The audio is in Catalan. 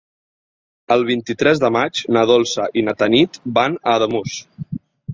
El vint-i-tres de maig na Dolça i na Tanit van a Ademús.